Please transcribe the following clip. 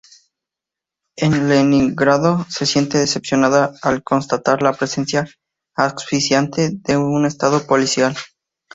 En Leningrado se siente decepcionada al constatar la presencia asfixiante de un estado policial.